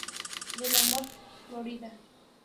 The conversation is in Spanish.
De Lamont, Florida.